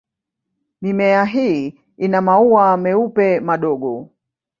Mimea hii ina maua meupe madogo.